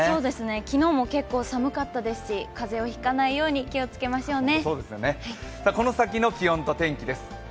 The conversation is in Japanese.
昨日も結構寒かったですし、風邪をひかないように気をつけましょうね。